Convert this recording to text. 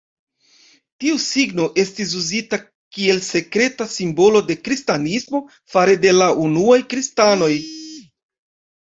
Tiu signo estis uzita kiel sekreta simbolo de Kristanismo fare de la unuaj kristanoj.